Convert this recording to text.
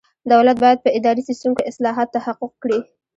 دولت باید په اداري سیسټم کې اصلاحات تحقق کړي.